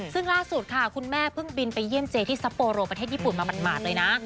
ซึ่งล่าสุดค่ะคุณแม่เพิ่งบินไปเยี่ยมเจที่ซัปโปโรประเทศญี่ปุ่นมาหมาดเลยนะ